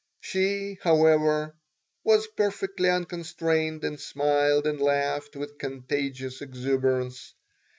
She, however, was perfectly unconstrained and smiled and laughed with contagious exuberance.